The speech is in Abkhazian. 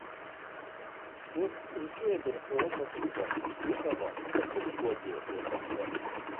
Урҭ рҿы иадырҳәоит акәымзар, гәыкала ақырҭуагьы дырҭахӡам!